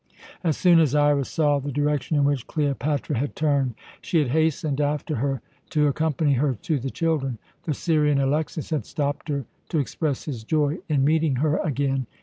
As soon as Iras saw the direction in which Cleopatra had turned, she had hastened after her to accompany her to the children. The Syrian Alexas had stopped her to express his joy in meeting her again.